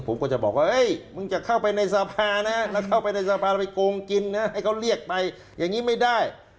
ผมก็จะบอกว่าเฮ้ยมึงจะเข้าไปในสภานะแล้วเข้าไปในสภาแล้วไปโกงกินนะให้เขาเรียกไปอย่างนี้ไม่ได้